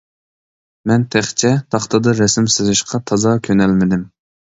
مەن تېخىچە تاختىدا رەسىم سىزىشقا تازا كۆنەلمىدىم.